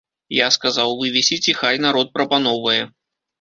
Я сказаў вывесіць, і хай народ прапаноўвае.